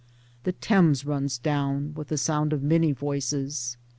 The Thames runs down — with the sound of many voices.